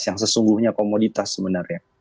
yang sesungguhnya komoditas sebenarnya